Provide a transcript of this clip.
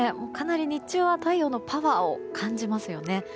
日中はかなり太陽のパワーを感じますよね。